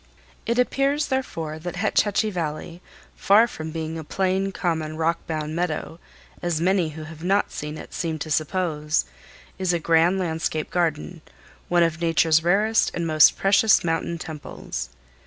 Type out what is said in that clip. It appears, therefore, that Hetch Hetchy Valley, far from being a plain, common, rock bound meadow, as many who have not seen it seem to suppose, is a grand landscape garden, one of Nature's rarest and most precious mountain temples.